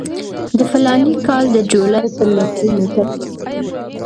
د فلاني کال د جولای پر لومړۍ نېټه ولیکل.